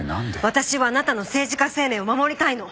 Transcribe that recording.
私はあなたの政治家生命を守りたいの！